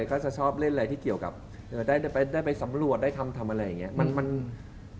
ก็จะชอบเล่นอะไรที่เกี่ยวกับได้ไปสำรวจได้ทำอะไรอย่างนี้